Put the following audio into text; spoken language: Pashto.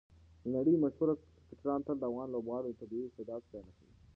د نړۍ مشهور کرکټران تل د افغان لوبغاړو د طبیعي استعداد ستاینه کوي.